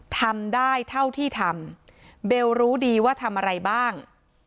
ทำได้เท่าที่ทำเบลรู้ดีว่าทำอะไรบ้าง